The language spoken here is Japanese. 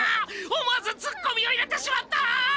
思わずツッコミを入れてしまった！